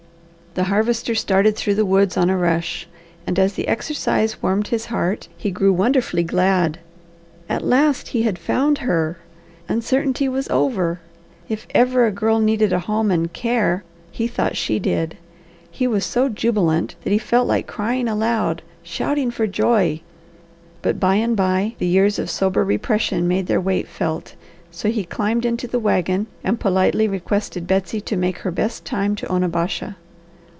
The Harvester started through the woods on a rush, and as the exercise warmed his heart, he grew wonderfully glad. At last he had found her. Uncertainty was over. If ever a girl needed a home and care he thought she did. He was so jubilant that he felt like crying aloud, shouting for joy, but by and by the years of sober repression made their weight felt, so he climbed into the wagon and politely requested Betsy to make her best time to Onabasha.